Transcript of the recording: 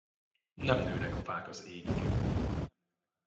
Nem nőnek a fák az égig.